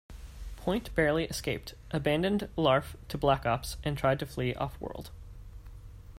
Point barely escaped, abandoned Larf to Black Ops, and tried to flee offworld.